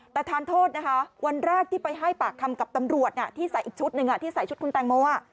แต่ทานโทษนะคะวันแรกที่ไปให้ปากคำกับตำรวจที่ใส่อีกชุดหนึ่งที่ใส่ชุดคุณแตงโม